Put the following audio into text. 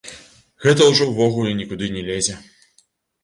Гэта ўжо ўвогуле нікуды не лезе.